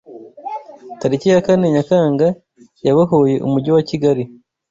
Tariki ya kane Nyakanga yabohoye Umujyi wa Kigali